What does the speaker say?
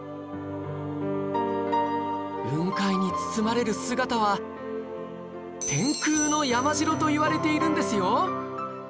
雲海に包まれる姿は天空の山城といわれているんですよ